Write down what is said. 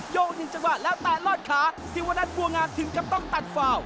โยงอีกจังหวะแล้วแต่รอดขาที่วันนั้นบัวงามถึงกับต้องตัดฟาว